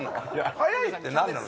早いって何なの？